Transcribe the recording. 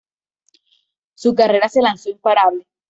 Su carrera se lanzó imparable.